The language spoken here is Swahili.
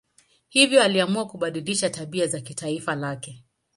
Hivyo aliamua kubadilisha tabia za taifa lake.